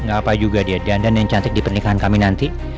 gak apa juga dia dandan yang cantik di pernikahan kami nanti